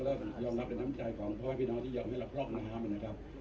แล้วก็ยอมรับเป็นน้ำใจของพ่อแม่พี่น้องที่ยอมให้เราพร่องน้ำนะครับ